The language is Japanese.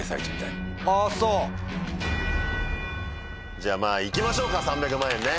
じゃあまぁ行きましょうか３００万円ね。